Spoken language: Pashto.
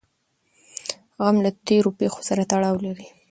غم له تېرو پېښو سره تړاو لري.